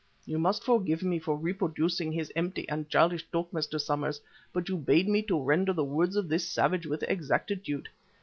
You must forgive me for reproducing his empty and childish talk, Mr. Somers, but you bade me to render the words of this savage with exactitude.